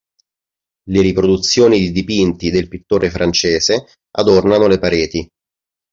Le riproduzioni di dipinti del pittore francese adornano le pareti.